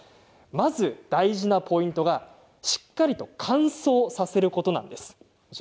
まず大事なポイントがしっかりと乾燥させることなんです。